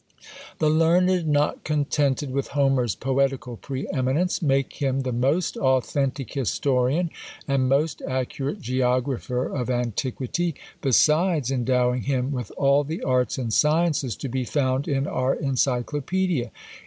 The learned, not contented with Homer's poetical pre eminence, make him the most authentic historian and most accurate geographer of antiquity, besides endowing him with all the arts and sciences to be found in our Encyclopædia.